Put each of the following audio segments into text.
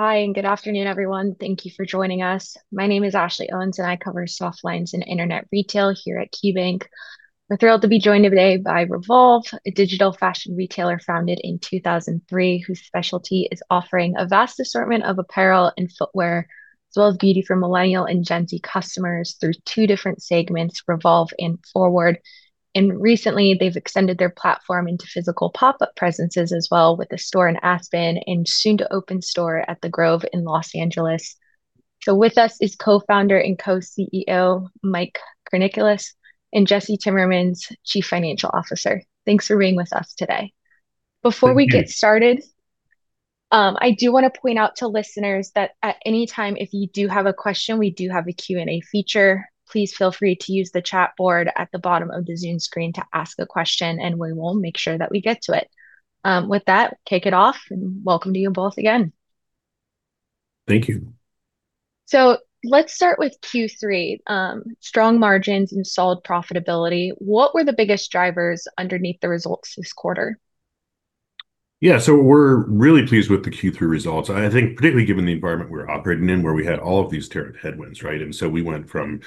Hi, and good afternoon, everyone. Thank you for joining us. My name is Ashley Owens, and I cover softlines and internet retail here at KeyBank. We're thrilled to be joined today by Revolve, a digital fashion retailer founded in 2003 whose specialty is offering a vast assortment of apparel and footwear, as well as beauty for Millennial and Gen Z customers through two different segments: Revolve and Forward, and recently, they've extended their platform into physical pop-up presences as well, with a store in Aspen and soon to open a store at The Grove in Los Angeles, so with us is co-founder and Co-CEO Mike Karanikolas and Jesse Timmermans, Chief Financial Officer. Thanks for being with us today. Before we get started, I do want to point out to listeners that at any time, if you do have a question, we do have a Q&A feature. Please feel free to use the chat board at the bottom of the Zoom screen to ask a question, and we will make sure that we get to it. With that, kick it off, and welcome to you both again. Thank you. So let's start with Q3: strong margins and solid profitability. What were the biggest drivers underneath the results this quarter? Yeah, so we're really pleased with the Q3 results. I think, particularly given the environment we're operating in, where we had all of these tariff headwinds, right? And so we went from,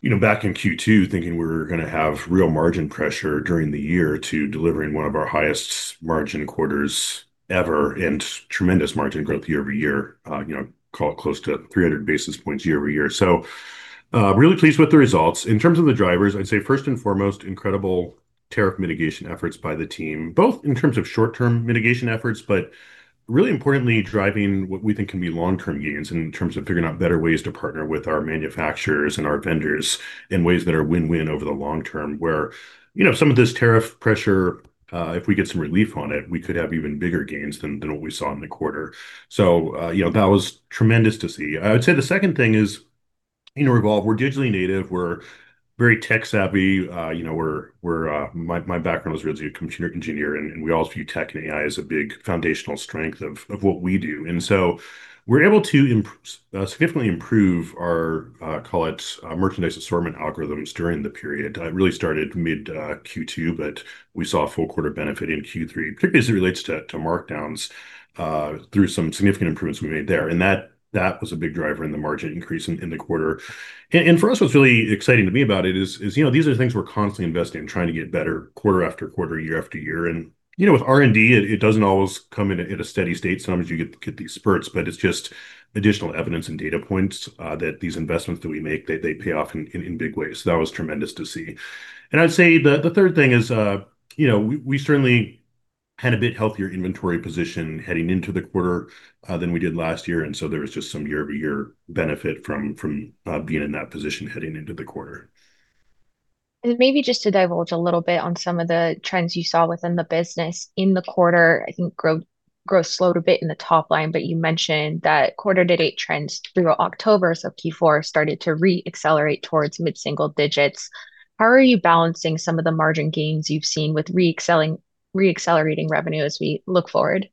you know, back in Q2 thinking we were going to have real margin pressure during the year to delivering one of our highest margin quarters ever and tremendous margin growth year over year, you know, call it close to 300 basis points year over year. So really pleased with the results. In terms of the drivers, I'd say first and foremost, incredible tariff mitigation efforts by the team, both in terms of short-term mitigation efforts, but really importantly, driving what we think can be long-term gains in terms of figuring out better ways to partner with our manufacturers and our vendors in ways that are win-win over the long term, where, you know, some of this tariff pressure, if we get some relief on it, we could have even bigger gains than what we saw in the quarter. So, you know, that was tremendous to see. I would say the second thing is, you know, Revolve, we're digitally native. We're very tech-savvy. You know, we're, my background was really a computer engineer, and we all view tech and AI as a big foundational strength of what we do. And so we're able to significantly improve our, call it, merchandise assortment algorithms during the period. It really started mid-Q2, but we saw a full quarter benefit in Q3, particularly as it relates to markdowns through some significant improvements we made there. And that was a big driver in the margin increase in the quarter. And for us, what's really exciting to me about it is, you know, these are things we're constantly investing in, trying to get better quarter after quarter, year after year. And, you know, with R&D, it doesn't always come in at a steady state. Sometimes you get these spurts, but it's just additional evidence and data points that these investments that we make, they pay off in big ways. So that was tremendous to see. I'd say the third thing is, you know, we certainly had a bit healthier inventory position heading into the quarter than we did last year. So there was just some year-over-year benefit from being in that position heading into the quarter. Maybe just to divulge a little bit on some of the trends you saw within the business in the quarter, I think growth slowed a bit in the top line, but you mentioned that quarter-to-date trends through October, so Q4 started to re-accelerate towards mid-single digits. How are you balancing some of the margin gains you've seen with re-accelerating revenue as we look forward?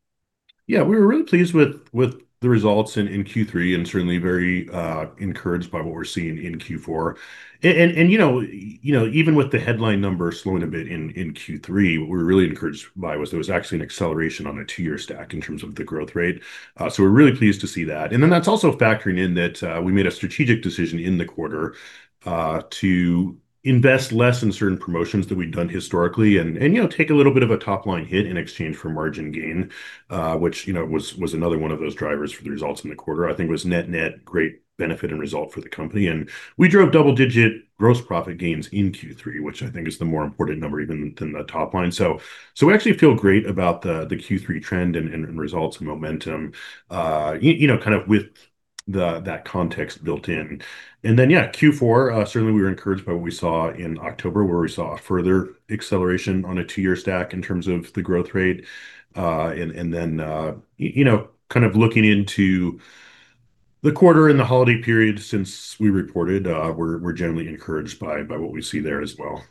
Yeah, we were really pleased with the results in Q3 and certainly very encouraged by what we're seeing in Q4. And, you know, even with the headline numbers slowing a bit in Q3, what we were really encouraged by was there was actually an acceleration on a two-year stack in terms of the growth rate. So we're really pleased to see that. And then that's also factoring in that we made a strategic decision in the quarter to invest less in certain promotions that we'd done historically and, you know, take a little bit of a top-line hit in exchange for margin gain, which, you know, was another one of those drivers for the results in the quarter. I think it was net-net great benefit and result for the company. And we drove double-digit gross profit gains in Q3, which I think is the more important number even than the top line. So we actually feel great about the Q3 trend and results and momentum, you know, kind of with that context built in. And then, yeah, Q4, certainly we were encouraged by what we saw in October, where we saw a further acceleration on a two-year stack in terms of the growth rate. And then, you know, kind of looking into the quarter and the holiday period since we reported, we're generally encouraged by what we see there as well.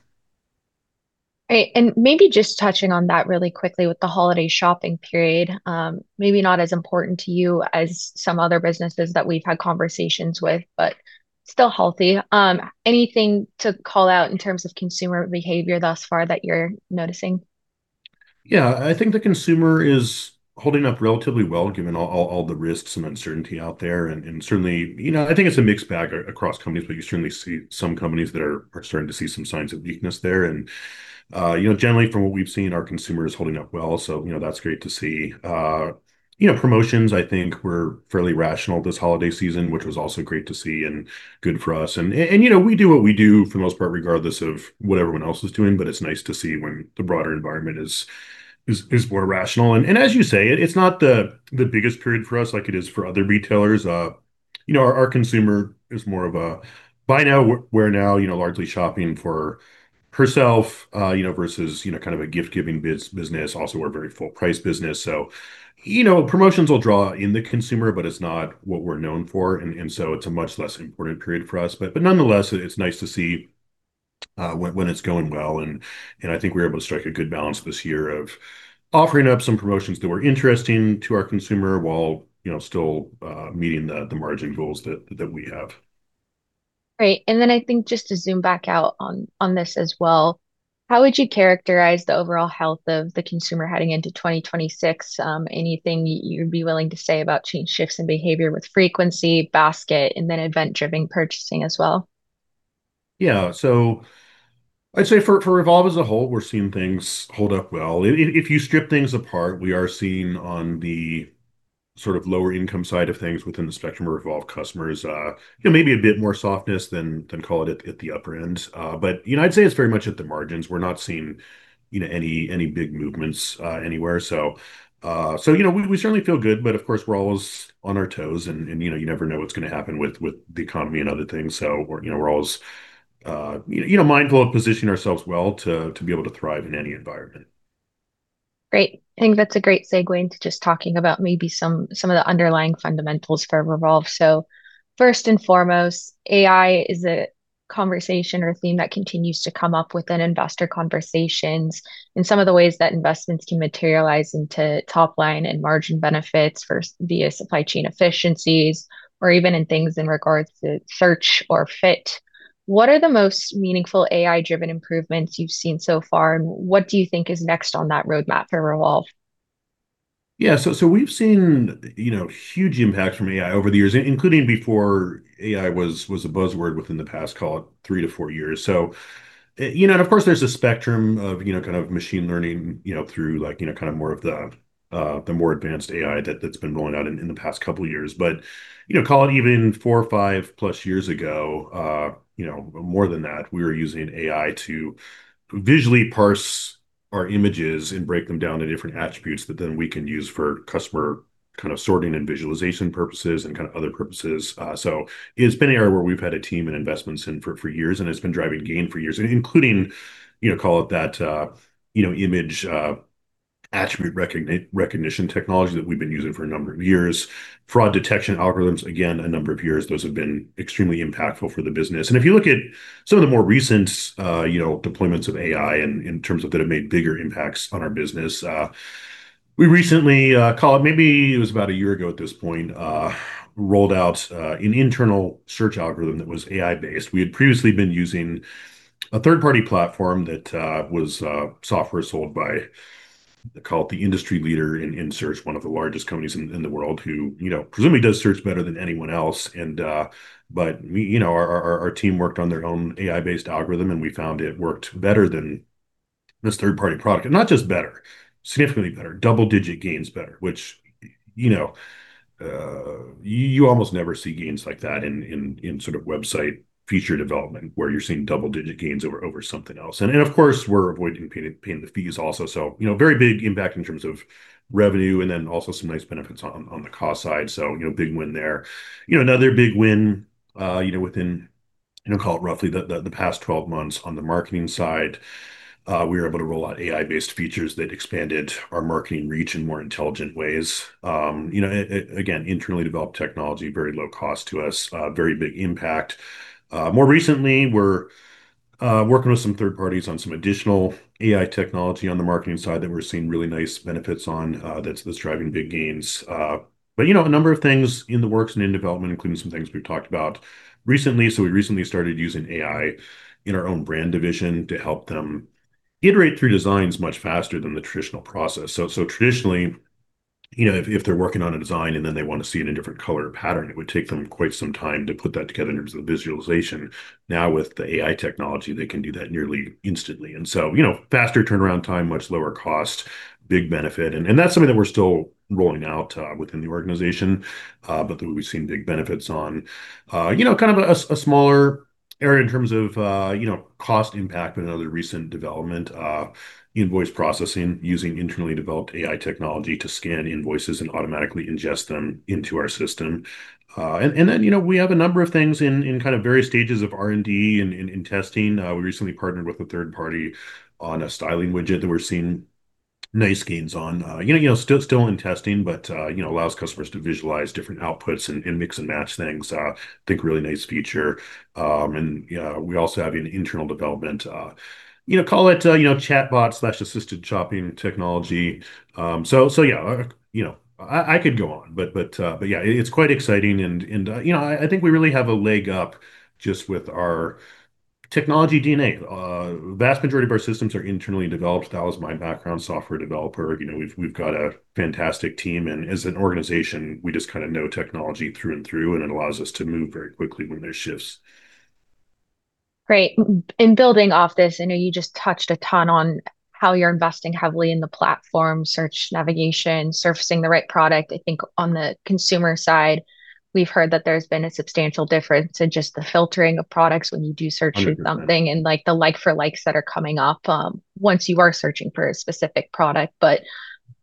Great. And maybe just touching on that really quickly with the holiday shopping period, maybe not as important to you as some other businesses that we've had conversations with, but still healthy. Anything to call out in terms of consumer behavior thus far that you're noticing? Yeah, I think the consumer is holding up relatively well, given all the risks and uncertainty out there. Certainly, you know, I think it's a mixed bag across companies, but you certainly see some companies that are starting to see some signs of weakness there. You know, generally from what we've seen, our consumer is holding up well. So, you know, that's great to see. You know, promotions, I think we're fairly rational this holiday season, which was also great to see and good for us. You know, we do what we do for the most part, regardless of what everyone else is doing, but it's nice to see when the broader environment is more rational. As you say, it's not the biggest period for us like it is for other retailers. You know, our consumer is more of a buy now, wear now, you know, largely shopping for herself, you know, versus, you know, kind of a gift-giving business. Also, we're a very full-price business. So, you know, promotions will draw in the consumer, but it's not what we're known for. And so it's a much less important period for us. But nonetheless, it's nice to see when it's going well. And I think we're able to strike a good balance this year of offering up some promotions that were interesting to our consumer while, you know, still meeting the margin goals that we have. Great. And then I think just to zoom back out on this as well, how would you characterize the overall health of the consumer heading into 2026? Anything you'd be willing to say about change shifts in behavior with frequency, basket, and then event-driven purchasing as well? Yeah, so I'd say for Revolve as a whole, we're seeing things hold up well. If you strip things apart, we are seeing on the sort of lower-income side of things within the spectrum of Revolve customers, you know, maybe a bit more softness than, call it, at the upper end, but you know, I'd say it's very much at the margins. We're not seeing, you know, any big movements anywhere, so you know, we certainly feel good, but of course, we're always on our toes, and you know, you never know what's going to happen with the economy and other things, so we're, you know, we're always, you know, mindful of positioning ourselves well to be able to thrive in any environment. Great. I think that's a great segue into just talking about maybe some of the underlying fundamentals for Revolve. So first and foremost, AI is a conversation or a theme that continues to come up within investor conversations in some of the ways that investments can materialize into top line and margin benefits via supply chain efficiencies or even in things in regards to search or fit. What are the most meaningful AI-driven improvements you've seen so far, and what do you think is next on that roadmap for Revolve? Yeah. So we've seen, you know, huge impacts from AI over the years, including before AI was a buzzword within the past, call it, three to four years. So, you know, and of course, there's a spectrum of, you know, kind of machine learning, you know, through, like, you know, kind of more of the more advanced AI that's been rolling out in the past couple of years. But, you know, call it even four or five plus years ago, you know, more than that, we were using AI to visually parse our images and break them down into different attributes that then we can use for customer kind of sorting and visualization purposes and kind of other purposes. So it's been an area where we've had a team and investments in for years, and it's been driving gain for years, including, you know, call it that, you know, image attribute recognition technology that we've been using for a number of years, fraud detection algorithms, again, a number of years. Those have been extremely impactful for the business. And if you look at some of the more recent, you know, deployments of AI in terms of that have made bigger impacts on our business, we recently, call it, maybe it was about a year ago at this point, rolled out an internal search algorithm that was AI-based. We had previously been using a third-party platform that was software sold by, call it, the industry leader in search, one of the largest companies in the world who, you know, presumably does search better than anyone else. We, you know, our team worked on their own AI-based algorithm, and we found it worked better than this third-party product. And not just better, significantly better, double-digit gains better, which, you know, you almost never see gains like that in sort of website feature development where you're seeing double-digit gains over something else. And of course, we're avoiding paying the fees also. So, you know, very big impact in terms of revenue and then also some nice benefits on the cost side. So, you know, big win there. You know, another big win, you know, within, you know, call it roughly the past 12 months on the marketing side, we were able to roll out AI-based features that expanded our marketing reach in more intelligent ways. You know, again, internally developed technology, very low cost to us, very big impact. More recently, we're working with some third parties on some additional AI technology on the marketing side that we're seeing really nice benefits on, that's driving big gains. But, you know, a number of things in the works and in development, including some things we've talked about recently. So we recently started using AI in our own brand division to help them iterate through designs much faster than the traditional process. So traditionally, you know, if they're working on a design and then they want to see it in a different color or pattern, it would take them quite some time to put that together in terms of visualization. Now with the AI technology, they can do that nearly instantly. And so, you know, faster turnaround time, much lower cost, big benefit. And that's something that we're still rolling out within the organization, but that we've seen big benefits on. You know, kind of a smaller area in terms of, you know, cost impact and other recent development, invoice processing, using internally developed AI technology to scan invoices and automatically ingest them into our system. And then, you know, we have a number of things in kind of various stages of R&D and testing. We recently partnered with a third party on a styling widget that we're seeing nice gains on. You know, still in testing, but, you know, allows customers to visualize different outputs and mix and match things. I think really nice feature. And we also have an internal development, you know, call it, you know, chatbot/assisted shopping technology. So yeah, you know, I could go on, but yeah, it's quite exciting. And, you know, I think we really have a leg up just with our technology DNA. The vast majority of our systems are internally developed. That was my background, software developer. You know, we've got a fantastic team and as an organization, we just kind of know technology through and through, and it allows us to move very quickly when there's shifts. Great. And building off this, I know you just touched a ton on how you're investing heavily in the platform, search navigation, surfacing the right product. I think on the consumer side, we've heard that there's been a substantial difference in just the filtering of products when you do search for something and like the like-for-likes that are coming up once you are searching for a specific product. But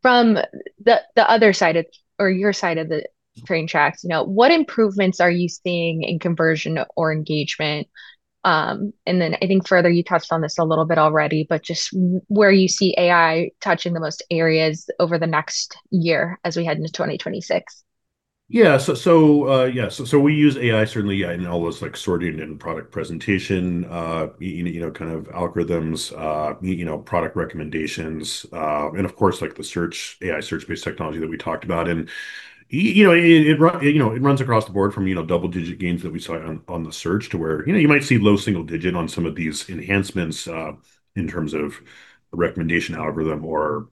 from the other side or your side of the train tracks, you know, what improvements are you seeing in conversion or engagement? And then I think further you touched on this a little bit already, but just where you see AI touching the most areas over the next year as we head into 2026. Yeah. So, yeah, so we use AI certainly in all those like sorting and product presentation, you know, kind of algorithms, you know, product recommendations. And of course, like the search, AI search-based technology that we talked about. And, you know, it runs across the board from, you know, double-digit gains that we saw on the search to where, you know, you might see low single digit on some of these enhancements in terms of recommendation algorithm or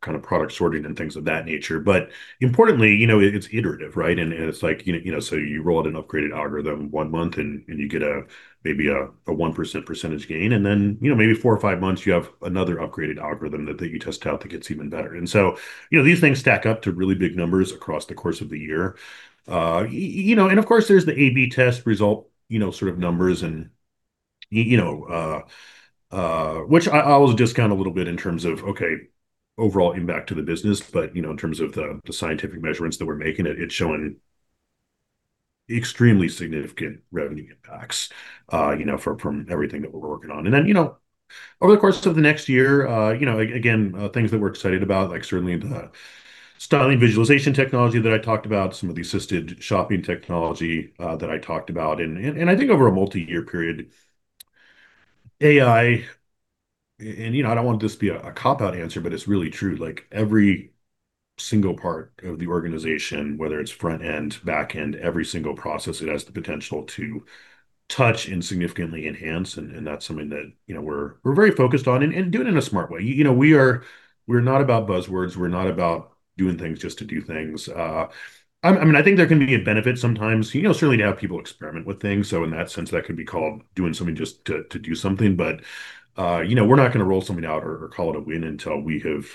kind of product sorting and things of that nature. But importantly, you know, it's iterative, right? And it's like, you know, so you roll out an upgraded algorithm one month and you get maybe a 1% percentage gain. And then, you know, maybe four or five months, you have another upgraded algorithm that you test out that gets even better. And so, you know, these things stack up to really big numbers across the course of the year. You know, and of course, there's the A/B test result, you know, sort of numbers and, you know, which I always discount a little bit in terms of, okay, overall impact to the business, but, you know, in terms of the scientific measurements that we're making, it's showing extremely significant revenue impacts, you know, from everything that we're working on. And then, you know, over the course of the next year, you know, again, things that we're excited about, like certainly the styling visualization technology that I talked about, some of the assisted shopping technology that I talked about. And I think over a multi-year period, AI, and, you know, I don't want this to be a cop-out answer, but it's really true. Like every single part of the organization, whether it's front end, back end, every single process, it has the potential to touch and significantly enhance. And that's something that, you know, we're very focused on and doing in a smart way. You know, we are not about buzzwords. We're not about doing things just to do things. I mean, I think there can be a benefit sometimes, you know, certainly to have people experiment with things. So in that sense, that could be called doing something just to do something. But, you know, we're not going to roll something out or call it a win until we have,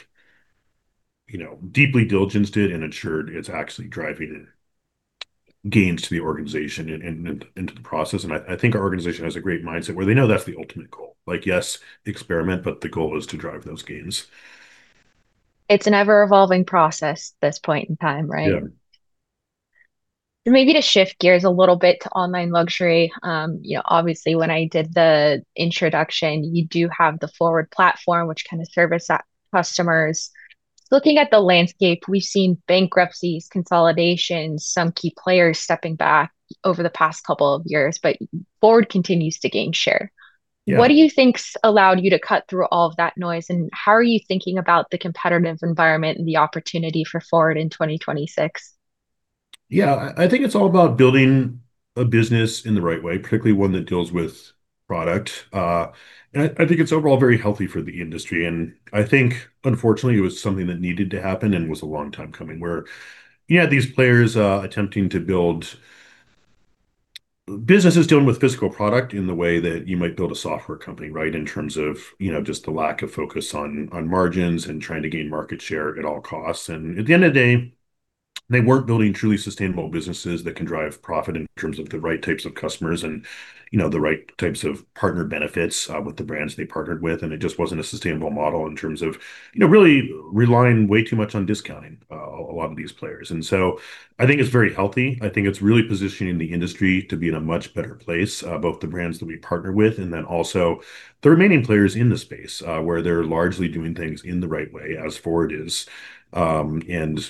you know, deeply diligence it and ensured it's actually driving gains to the organization and into the process. And I think our organization has a great mindset where they know that's the ultimate goal. Like, yes, experiment, but the goal is to drive those gains. It's an ever-evolving process at this point in time, right? Yeah. Maybe to shift gears a little bit to online luxury. You know, obviously when I did the introduction, you do have the Forward platform, which kind of serves customers. Looking at the landscape, we've seen bankruptcies, consolidations, some key players stepping back over the past couple of years, but Forward continues to gain share. What do you think allowed you to cut through all of that noise? And how are you thinking about the competitive environment and the opportunity for Forward in 2026? Yeah, I think it's all about building a business in the right way, particularly one that deals with product. And I think it's overall very healthy for the industry. And I think, unfortunately, it was something that needed to happen and was a long time coming where you had these players attempting to build businesses dealing with physical product in the way that you might build a software company, right, in terms of, you know, just the lack of focus on margins and trying to gain market share at all costs. And at the end of the day, they weren't building truly sustainable businesses that can drive profit in terms of the right types of customers and, you know, the right types of partner benefits with the brands they partnered with. And it just wasn't a sustainable model in terms of, you know, really relying way too much on discounting a lot of these players. And so I think it's very healthy. I think it's really positioning the industry to be in a much better place, both the brands that we partner with and then also the remaining players in the space where they're largely doing things in the right way as Forward is. And,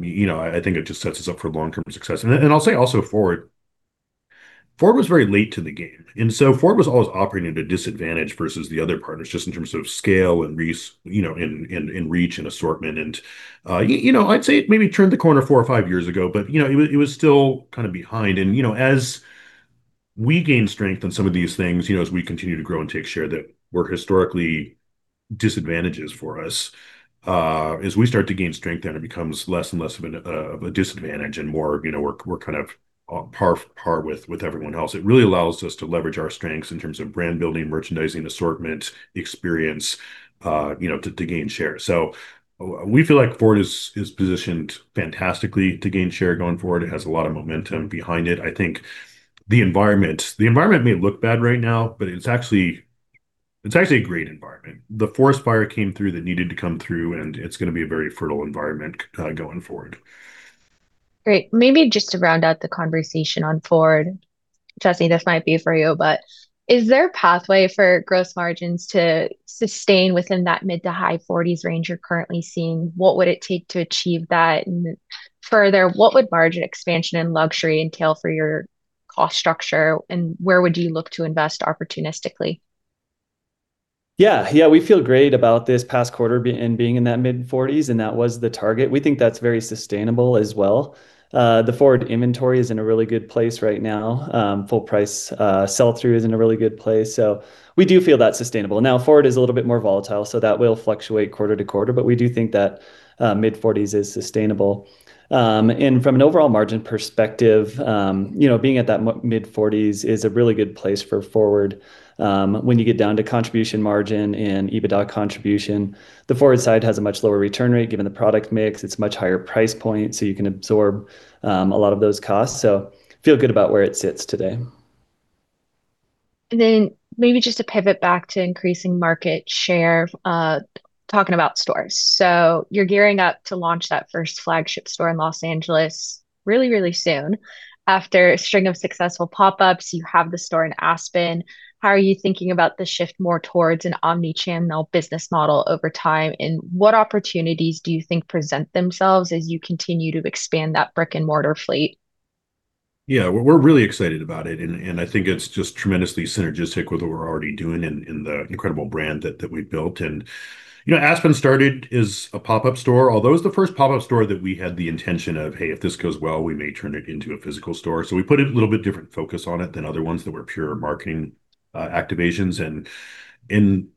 you know, I think it just sets us up for long-term success. And I'll say also Forward, Forward was very late to the game. And so Forward was always operating at a disadvantage versus the other partners just in terms of scale and, you know, in reach and assortment. And, you know, I'd say it maybe turned the corner four or five years ago, but, you know, it was still kind of behind. And, you know, as we gain strength in some of these things, you know, as we continue to grow and take share that were historically disadvantages for us, as we start to gain strength, then it becomes less and less of a disadvantage and more, you know, we're kind of par with everyone else. It really allows us to leverage our strengths in terms of brand building, merchandising, assortment, experience, you know, to gain share. So we feel like Forward is positioned fantastically to gain share going forward. It has a lot of momentum behind it. I think the environment, the environment may look bad right now, but it's actually, it's actually a great environment. The forest fire came through that needed to come through, and it's going to be a very fertile environment going forward. Great. Maybe just to round out the conversation on Forward, Jesse, this might be for you, but is there a pathway for gross margins to sustain within that mid to high 40s range you're currently seeing? What would it take to achieve that? And further, what would margin expansion and luxury entail for your cost structure? And where would you look to invest opportunistically? Yeah, yeah, we feel great about this past quarter and being in that mid-40s, and that was the target. We think that's very sustainable as well. The Forward inventory is in a really good place right now. Full price sell-through is in a really good place, so we do feel that's sustainable. Now, Forward is a little bit more volatile, so that will fluctuate quarter to quarter, but we do think that mid-40s is sustainable, and from an overall margin perspective, you know, being at that mid-40s is a really good place for Forward. When you get down to contribution margin and EBITDA contribution, the Forward side has a much lower return rate given the product mix. It's a much higher price point, so you can absorb a lot of those costs, so feel good about where it sits today. And then maybe just to pivot back to increasing market share, talking about stores. So you're gearing up to launch that first flagship store in Los Angeles really, really soon. After a string of successful pop-ups, you have the store in Aspen. How are you thinking about the shift more towards an omnichannel business model over time? And what opportunities do you think present themselves as you continue to expand that brick-and-mortar fleet? Yeah, we're really excited about it. And I think it's just tremendously synergistic with what we're already doing and the incredible brand that we built. And, you know, Aspen started as a pop-up store, although it was the first pop-up store that we had the intention of, hey, if this goes well, we may turn it into a physical store. So we put a little bit different focus on it than other ones that were pure marketing activations. And,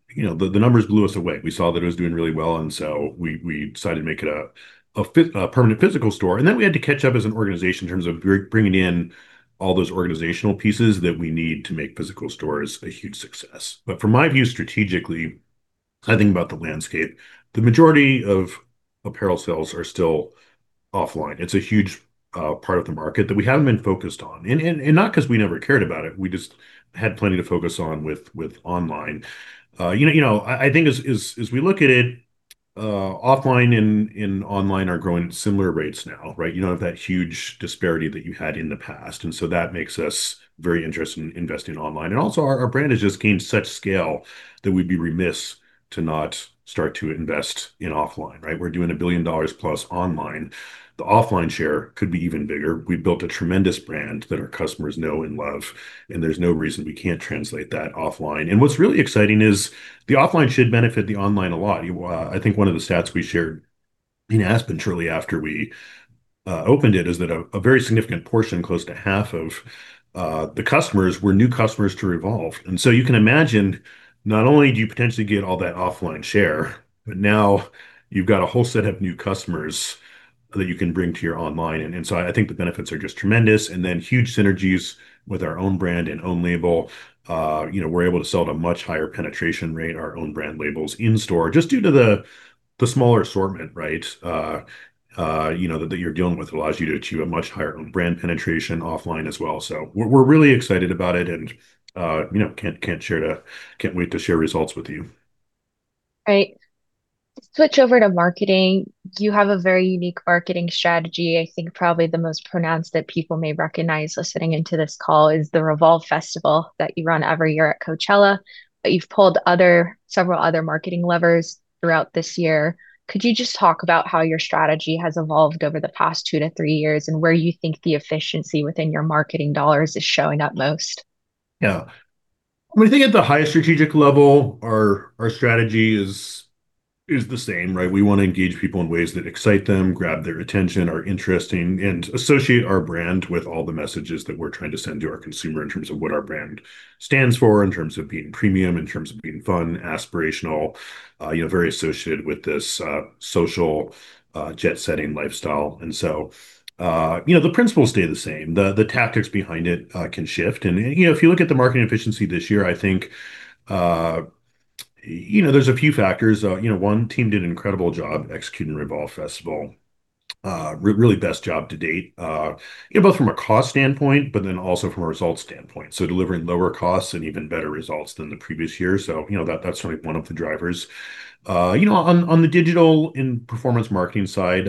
you know, the numbers blew us away. We saw that it was doing really well. And so we decided to make it a permanent physical store. And then we had to catch up as an organization in terms of bringing in all those organizational pieces that we need to make physical stores a huge success. But from my view, strategically, I think about the landscape. The majority of apparel sales are still offline. It's a huge part of the market that we haven't been focused on, and not because we never cared about it. We just had plenty to focus on with online. You know, I think as we look at it, offline and online are growing at similar rates now, right? You don't have that huge disparity that you had in the past, and so that makes us very interested in investing online, and also our brand has just gained such scale that we'd be remiss to not start to invest in offline, right? We're doing $1 billion plus online. The offline share could be even bigger. We've built a tremendous brand that our customers know and love, and there's no reason we can't translate that offline, and what's really exciting is the offline should benefit the online a lot. I think one of the stats we shared in Aspen shortly after we opened it is that a very significant portion, close to half of the customers were new customers to Revolve. And so you can imagine not only do you potentially get all that offline share, but now you've got a whole set of new customers that you can bring to your online. And so I think the benefits are just tremendous. And then huge synergies with our own brand and own label. You know, we're able to sell at a much higher penetration rate our own brand labels in store just due to the smaller assortment, right? You know, that you're dealing with allows you to achieve a much higher brand penetration offline as well. So we're really excited about it and, you know, can't wait to share results with you. Great. Switch over to marketing. You have a very unique marketing strategy. I think probably the most pronounced that people may recognize listening into this call is the Revolve Festival that you run every year at Coachella. But you've pulled several other marketing levers throughout this year. Could you just talk about how your strategy has evolved over the past two to three years and where you think the efficiency within your marketing dollars is showing up most? Yeah. When we think at the highest strategic level, our strategy is the same, right? We want to engage people in ways that excite them, grab their attention, are interesting, and associate our brand with all the messages that we're trying to send to our consumer in terms of what our brand stands for, in terms of being premium, in terms of being fun, aspirational, you know, very associated with this social jet-setting lifestyle. And so, you know, the principles stay the same. The tactics behind it can shift. And, you know, if you look at the marketing efficiency this year, I think, you know, there's a few factors. You know, one, team did an incredible job executing Revolve Festival. Really best job to date, you know, both from a cost standpoint, but then also from a results standpoint. So delivering lower costs and even better results than the previous year. So, you know, that's certainly one of the drivers. You know, on the digital and performance marketing side,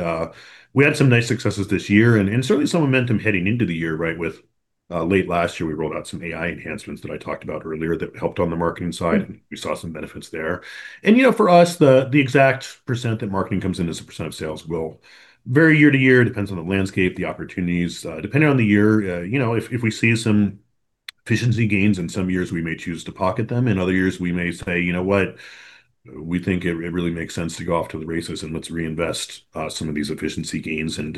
we had some nice successes this year and certainly some momentum heading into the year, right? With late last year, we rolled out some AI enhancements that I talked about earlier that helped on the marketing side. We saw some benefits there. And, you know, for us, the exact % that marketing comes in as a % of sales will vary year to year. It depends on the landscape, the opportunities. Depending on the year, you know, if we see some efficiency gains in some years, we may choose to pocket them. In other years, we may say, you know what, we think it really makes sense to go off to the races and let's reinvest some of these efficiency gains and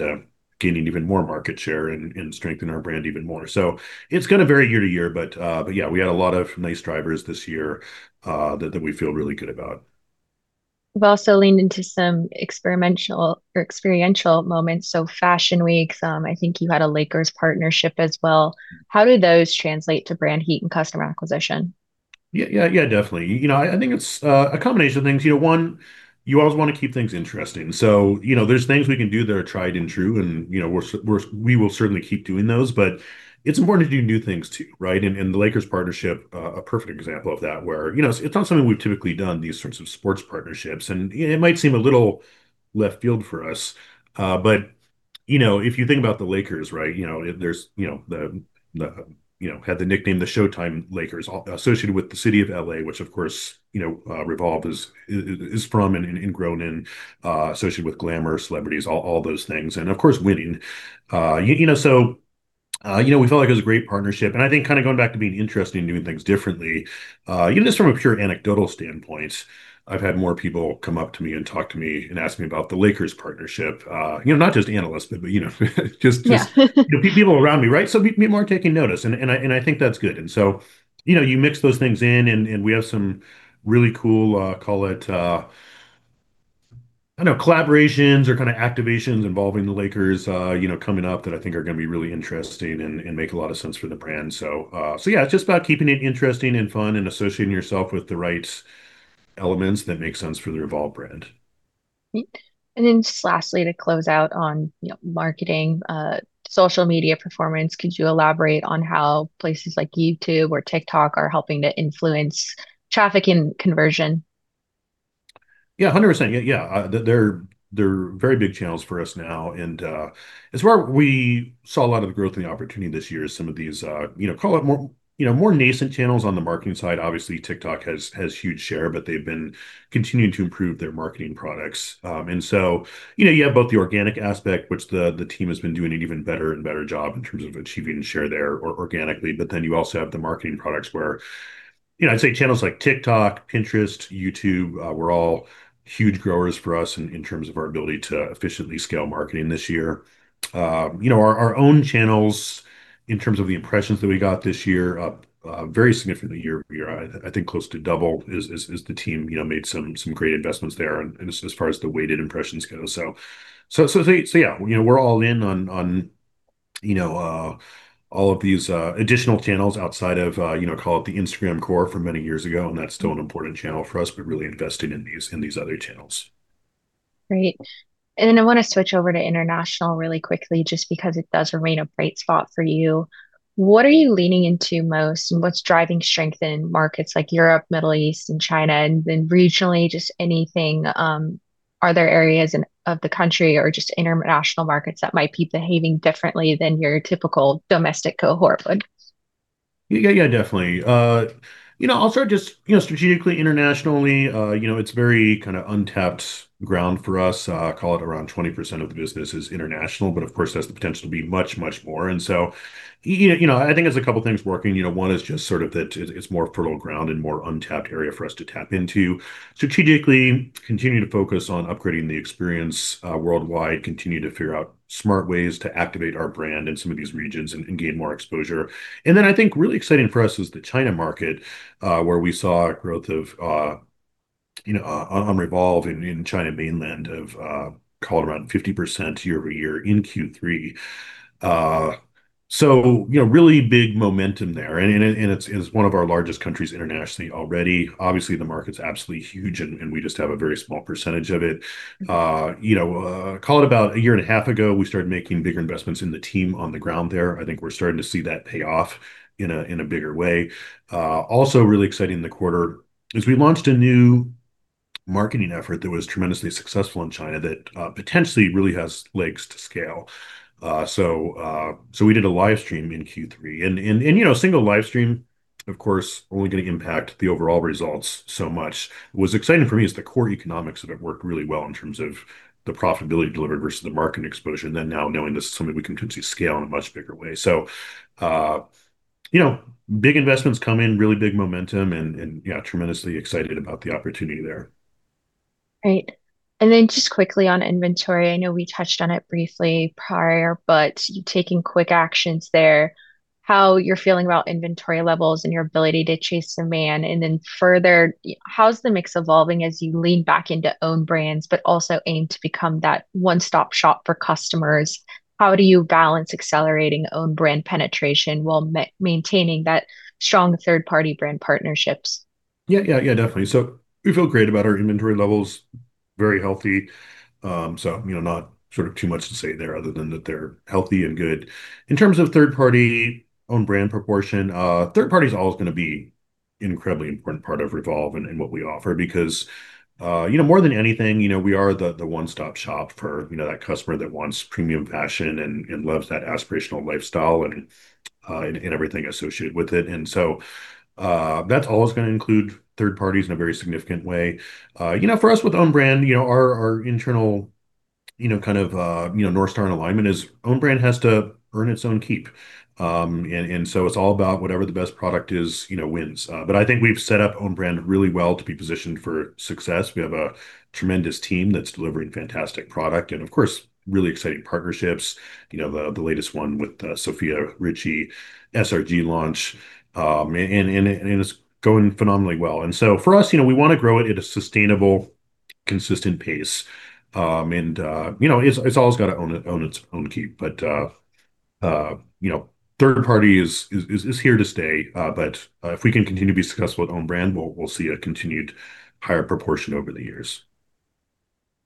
gain even more market share and strengthen our brand even more. So it's going to vary year to year, but yeah, we had a lot of nice drivers this year that we feel really good about. We've also leaned into some experiential moments, so Fashion Week, I think you had a Lakers partnership as well. How do those translate to brand heat and customer acquisition? Yeah, yeah, yeah, definitely. You know, I think it's a combination of things. You know, one, you always want to keep things interesting. So, you know, there's things we can do that are tried and true. And, you know, we will certainly keep doing those, but it's important to do new things too, right? And the Lakers partnership, a perfect example of that where, you know, it's not something we've typically done, these sorts of sports partnerships. And it might seem a little left field for us, but, you know, if you think about the Lakers, right? You know, had the nickname the Showtime Lakers associated with the city of LA, which of course, you know, Revolve is from and grown in, associated with glamour, celebrities, all those things. And of course, winning, you know, so, you know, we felt like it was a great partnership. And I think kind of going back to being interested in doing things differently, you know, just from a pure anecdotal standpoint, I've had more people come up to me and talk to me and ask me about the Lakers partnership, you know, not just analysts, but, you know, just, you know, people around me, right? So people are taking notice. And I think that's good. And so, you know, you mix those things in and we have some really cool, call it, I don't know, collaborations or kind of activations involving the Lakers, you know, coming up that I think are going to be really interesting and make a lot of sense for the brand. Yeah, it's just about keeping it interesting and fun and associating yourself with the right elements that make sense for the Revolve brand. And then just lastly, to close out on marketing, social media performance, could you elaborate on how places like YouTube or TikTok are helping to influence traffic and conversion? Yeah, 100%. Yeah, they're very big channels for us now, and as far as we saw a lot of the growth and the opportunity this year is some of these, you know, call it more, you know, more nascent channels on the marketing side. Obviously, TikTok has huge share, but they've been continuing to improve their marketing products, and so, you know, you have both the organic aspect, which the team has been doing an even better and better job in terms of achieving share there organically, but then you also have the marketing products where, you know, I'd say channels like TikTok, Pinterest, YouTube, were all huge growers for us in terms of our ability to efficiently scale marketing this year. You know, our own channels in terms of the impressions that we got this year very significantly year-over-year, I think close to double. It's the team, you know, made some great investments there as far as the weighted impressions go. So yeah, you know, we're all in on, you know, all of these additional channels outside of, you know, call it the Instagram core from many years ago. That's still an important channel for us, but really investing in these other channels. Great. And then I want to switch over to international really quickly just because it does remain a bright spot for you. What are you leaning into most and what's driving strength in markets like Europe, Middle East, and China? And then regionally, just anything. Are there areas of the country or just international markets that might be behaving differently than your typical domestic cohort would? Yeah, yeah, definitely. You know, I'll start just, you know, strategically internationally, you know, it's very kind of untapped ground for us. Call it around 20% of the business is international, but of course, there's the potential to be much, much more. And so, you know, I think there's a couple of things working. You know, one is just sort of that it's more fertile ground and more untapped area for us to tap into. Strategically, continue to focus on upgrading the experience worldwide, continue to figure out smart ways to activate our brand in some of these regions and gain more exposure. And then I think really exciting for us is the China market where we saw growth of, you know, on Revolve in China Mainland of, call it around 50% year over year in Q3. So, you know, really big momentum there. It's one of our largest countries internationally already. Obviously, the market's absolutely huge and we just have a very small percentage of it. You know, call it about a year and a half ago, we started making bigger investments in the team on the ground there. I think we're starting to see that pay off in a bigger way. Also really exciting in the quarter is we launched a new marketing effort that was tremendously successful in China that potentially really has legs to scale. We did a livestream in Q3. You know, a single livestream, of course, only going to impact the overall results so much. What was exciting for me is the core economics that have worked really well in terms of the profitability delivered versus the market exposure. And then now knowing this is something we can potentially scale in a much bigger way. So, you know, big investments come in, really big momentum, and yeah, tremendously excited about the opportunity there. Great. Then just quickly on inventory, I know we touched on it briefly prior, but you're taking quick actions there. How you're feeling about inventory levels and your ability to chase demand? Further, how's the mix evolving as you lean back into own brands, but also aim to become that one-stop shop for customers? How do you balance accelerating own brand penetration while maintaining that strong third-party brand partnerships? Yeah, yeah, yeah, definitely. So we feel great about our inventory levels. Very healthy. So, you know, not sort of too much to say there other than that they're healthy and good. In terms of third-party own brand proportion, third-party is always going to be an incredibly important part of Revolve and what we offer because, you know, more than anything, you know, we are the one-stop shop for, you know, that customer that wants premium fashion and loves that aspirational lifestyle and everything associated with it. And so that's always going to include third parties in a very significant way. You know, for us with own brand, you know, our internal, you know, kind of, you know, North Star in alignment is own brand has to earn its own keep. And so it's all about whatever the best product is, you know, wins. But I think we've set up own brand really well to be positioned for success. We have a tremendous team that's delivering fantastic product and of course, really exciting partnerships. You know, the latest one with Sofia Richie Grainge, SRG launch, and it's going phenomenally well. And so for us, you know, we want to grow it at a sustainable, consistent pace. And, you know, it's always got to own its own keep. But, you know, third party is here to stay. But if we can continue to be successful with own brand, we'll see a continued higher proportion over the years.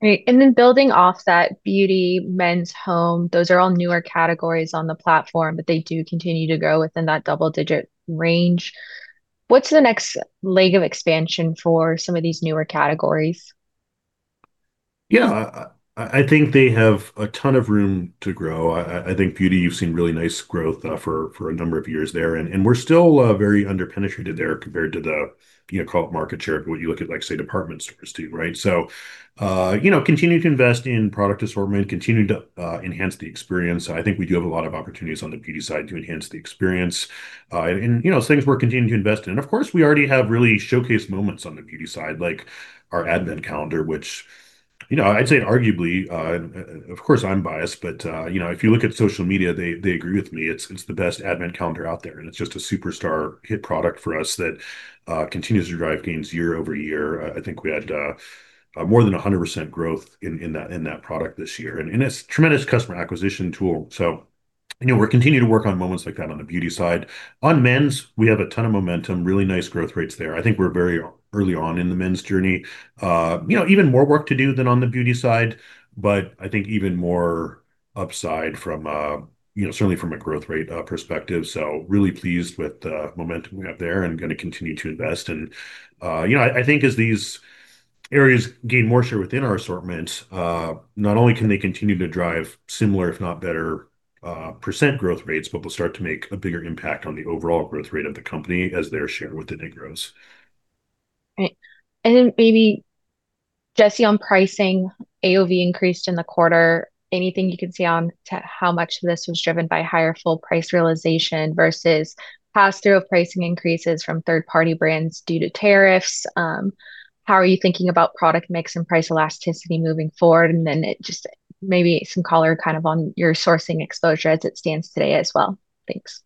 Great. And then building off that beauty, men's home, those are all newer categories on the platform, but they do continue to grow within that double-digit range. What's the next leg of expansion for some of these newer categories? Yeah, I think they have a ton of room to grow. I think beauty, you've seen really nice growth for a number of years there. And we're still very under-penetrated there compared to the, you know, call it market share of what you look at, like say department stores do, right? So, you know, continue to invest in product assortment, continue to enhance the experience. I think we do have a lot of opportunities on the beauty side to enhance the experience. And, you know, things we're continuing to invest in. And of course, we already have really showcased moments on the beauty side, like our Advent Calendar, which, you know, I'd say arguably, of course, I'm biased, but, you know, if you look at social media, they agree with me. It's the best Advent Calendar out there. It's just a superstar hit product for us that continues to drive gains year over year. I think we had more than 100% growth in that product this year. It's a tremendous customer acquisition tool. You know, we're continuing to work on moments like that on the beauty side. On men's, we have a ton of momentum, really nice growth rates there. I think we're very early on in the men's journey. You know, even more work to do than on the beauty side, but I think even more upside from, you know, certainly from a growth rate perspective. Really pleased with the momentum we have there and going to continue to invest. You know, I think as these areas gain more share within our assortment, not only can they continue to drive similar, if not better % growth rates, but we'll start to make a bigger impact on the overall growth rate of the company as their share within it grows. Then maybe, Jesse, on pricing, AOV increased in the quarter. Anything you can comment on to how much of this was driven by higher full price realization versus pass-through of pricing increases from third-party brands due to tariffs? How are you thinking about product mix and price elasticity moving forward? Just maybe some color kind of on your sourcing exposure as it stands today as well. Thanks.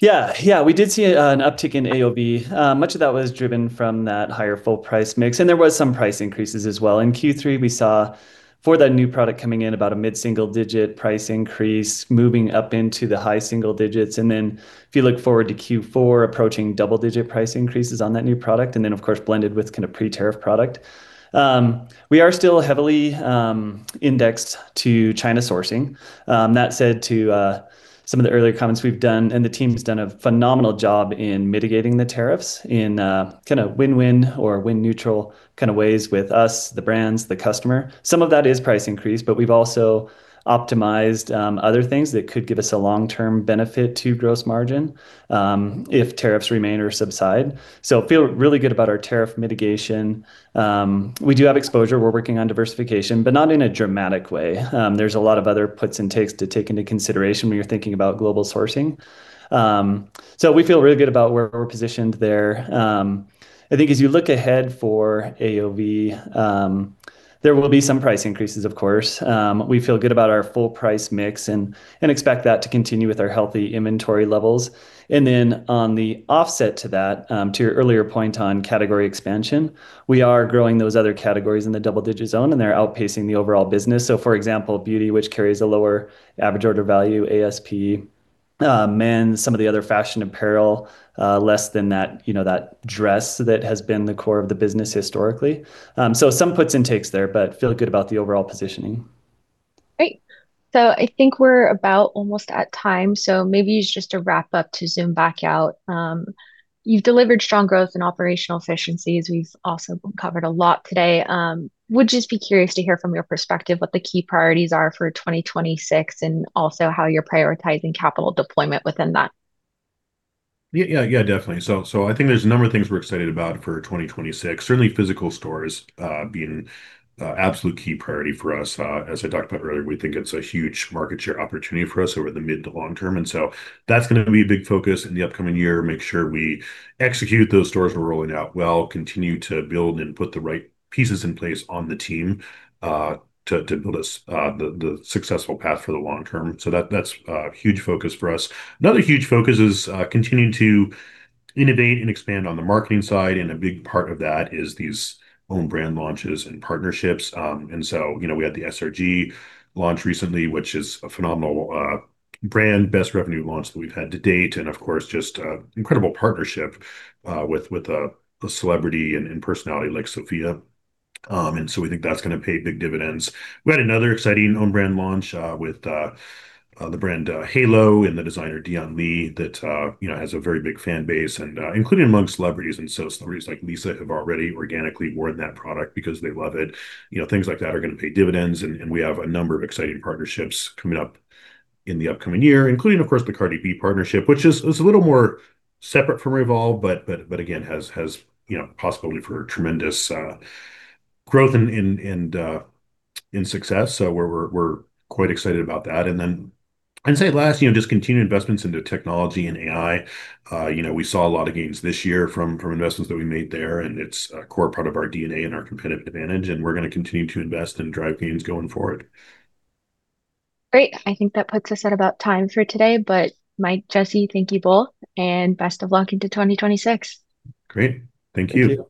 Yeah, yeah, we did see an uptick in AOV. Much of that was driven from that higher full price mix. And there were some price increases as well. In Q3, we saw for that new product coming in about a mid-single digit price increase moving up into the high single digits. And then if you look forward to Q4, approaching double-digit price increases on that new product. And then, of course, blended with kind of premium product. We are still heavily indexed to China sourcing. That said to some of the earlier comments we've done, and the team's done a phenomenal job in mitigating the tariffs in kind of win-win or win-neutral kind of ways with us, the brands, the customer. Some of that is price increase, but we've also optimized other things that could give us a long-term benefit to gross margin if tariffs remain or subside. we feel really good about our tariff mitigation. We do have exposure. We're working on diversification, but not in a dramatic way. There's a lot of other puts and takes to take into consideration when you're thinking about global sourcing. So we feel really good about where we're positioned there. I think as you look ahead for AOV, there will be some price increases, of course. We feel good about our full price mix and expect that to continue with our healthy inventory levels. And then on the offset to that, to your earlier point on category expansion, we are growing those other categories in the double-digit zone and they're outpacing the overall business. So, for example, beauty, which carries a lower average order value, ASP, men, some of the other fashion apparel, less than that, you know, that dress that has been the core of the business historically. Some puts and takes there, but feel good about the overall positioning. Great. So I think we're about almost at time. So maybe just to wrap up to zoom back out, you've delivered strong growth and operational efficiencies. We've also covered a lot today. Would just be curious to hear from your perspective what the key priorities are for 2026 and also how you're prioritizing capital deployment within that? Yeah, yeah, definitely. So I think there's a number of things we're excited about for 2026. Certainly physical stores being an absolute key priority for us. As I talked about earlier, we think it's a huge market share opportunity for us over the mid to long term. And so that's going to be a big focus in the upcoming year. Make sure we execute those stores we're rolling out well, continue to build and put the right pieces in place on the team to build us the successful path for the long term. So that's a huge focus for us. Another huge focus is continuing to innovate and expand on the marketing side. And a big part of that is these own brand launches and partnerships. And so, you know, we had the SRG launch recently, which is a phenomenal brand, best revenue launch that we've had to date. And of course, just an incredible partnership with a celebrity and personality like Sophia. And so we think that's going to pay big dividends. We had another exciting own brand launch with the brand Halo and the designer Dion Lee that, you know, has a very big fan base and included among celebrities. And so celebrities like Lisa have already organically worn that product because they love it. You know, things like that are going to pay dividends. And we have a number of exciting partnerships coming up in the upcoming year, including, of course, the Cardi B partnership, which is a little more separate from Revolve, but again, has, you know, possibility for tremendous growth and success. So we're quite excited about that. And then I'd say last, you know, just continued investments into technology and AI. You know, we saw a lot of gains this year from investments that we made there. And it's a core part of our DNA and our competitive advantage. And we're going to continue to invest and drive gains going forward. Great. I think that puts us at about time for today. But Mike, Jesse, thank you both. And best of luck into 2026. Great. Thank you.